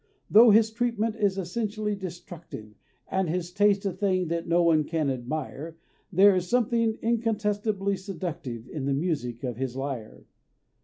Tho' his treatment is essentially destructive, And his taste a thing that no one can admire, There is something incontestably seductive In the music of his lyre!